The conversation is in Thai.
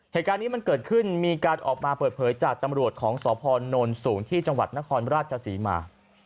เหตุการณ์นี้มันเกิดขึ้นมีการออกมาเปิดเผยจากตำรวจของสพนสูงที่จังหวัดนครราชศรีมา